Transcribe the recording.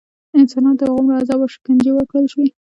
انسانانو ته هغومره عذاب او شکنجې ورکړل شوې.